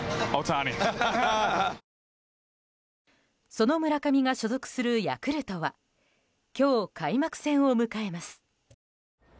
その村上が所属するヤクルトは今日、開幕戦を迎えます。